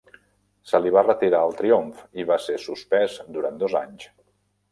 Se li va retirar el triomf, i va ser suspès durant dos anys.